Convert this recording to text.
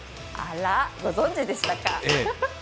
あら、ご存じでしたか。